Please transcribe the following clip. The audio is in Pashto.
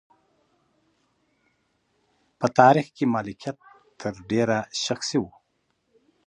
په تاریخ کې مالکیت تر ډېره شخصي و.